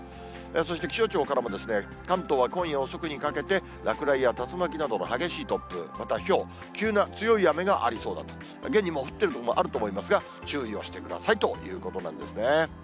そして気象庁からも、関東は今夜遅くにかけて、落雷や竜巻などの激しい突風、またひょう、急な強い雨がありそうだと、現にもう降ってる所もあると思いますが、注意をしてくださいということなんですね。